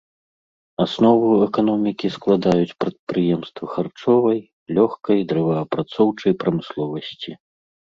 Аснову эканомікі складаюць прадпрыемствы харчовай, лёгкай, дрэваапрацоўчай прамысловасці.